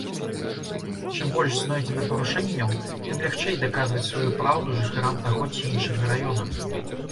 Чым больш знойдзена парушэнняў, тым лягчэй даказваць сваю праўду жыхарам таго ці іншага раёна.